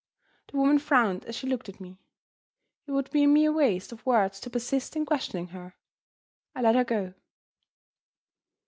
The woman frowned as she looked at me. It would be a mere waste of words to persist in questioning her. I let her go.